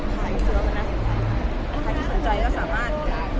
ถ้าให้ซื้อเมื่อนั้นถ้าที่สนใจก็สามารถ